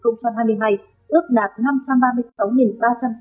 ước đạt năm trăm ba mươi sáu ba trăm linh tỷ đồng